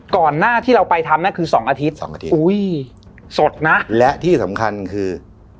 ก่อนหน้าที่เราไปทำนั่นคือสองอาทิตย์สองอาทิตย์อุ้ยสดนะและที่สำคัญคือ